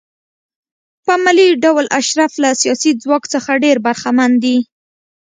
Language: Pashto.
په عملي ډول اشراف له سیاسي ځواک څخه ډېر برخمن دي.